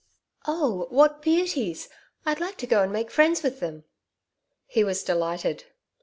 'Oh! what beauties! I'd like to go and make friends with them.' He was delighted.